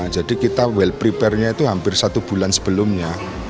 jadi kita well prepare nya itu hampir satu bulan sebelumnya